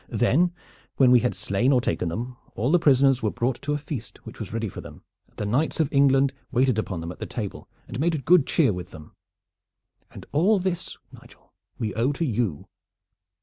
Then, when we had slain or taken them, all the prisoners were brought to a feast which was ready for them, and the knights of England waited upon them at the table and made good cheer with them. And all this, Nigel, we owe to you."